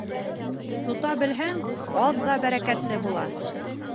Тота белһәң, аҙ ҙа бәрәкәтле була.